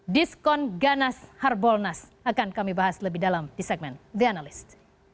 diskon ganas harbolnas akan kami bahas lebih dalam di segmen the analyst